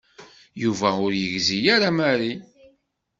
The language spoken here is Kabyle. Yuba ur yegzi ara Mary.